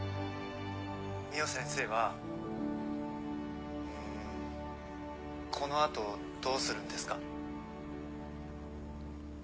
海音先生はんこの後どうするんですか？